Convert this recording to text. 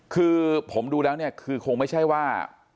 คือผมดูแล้วเนี่ยคือคงไม่ใช่ว่า